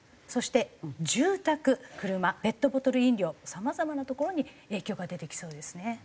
そして住宅車ペットボトル飲料さまざまなところに影響が出てきそうですね。